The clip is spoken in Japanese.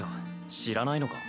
知らないのか？